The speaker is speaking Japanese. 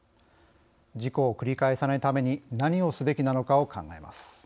事故を繰り返さないために何をすべきなのかを考えます。